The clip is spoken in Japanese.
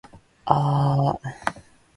aaaa